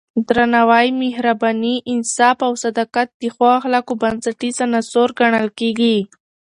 درناوی، مهرباني، انصاف او صداقت د ښو اخلاقو بنسټیز عناصر ګڼل کېږي.